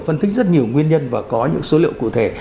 phân tích rất nhiều nguyên nhân và có những số liệu cụ thể